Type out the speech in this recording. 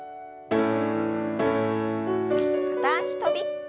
片脚跳び。